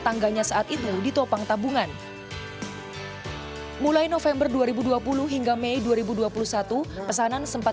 tangganya saat itu ditopang tabungan mulai november dua ribu dua puluh hingga mei dua ribu dua puluh satu pesanan sempat